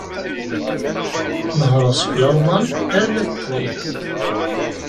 Nehṛeɣ seg Lalman armi d Ṭṭalyan.